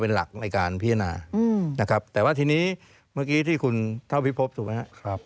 เป็นหลักในการพิจารณานะครับแต่ว่าทีนี้เมื่อกี้ที่คุณเท่าพิพบถูกไหมครับ